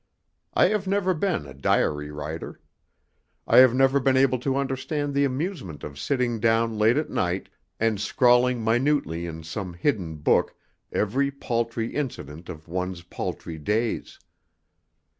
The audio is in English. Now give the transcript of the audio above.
I have never been a diary writer. I have never been able to understand the amusement of sitting down late at night and scrawling minutely in some hidden book every paltry incident of one's paltry days.